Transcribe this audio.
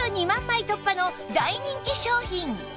枚突破の大人気商品！